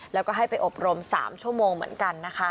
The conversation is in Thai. แล้วก็ให้ไปอบรม๓ชั่วโมงเหมือนกันนะคะ